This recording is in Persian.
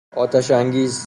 آتش انگیز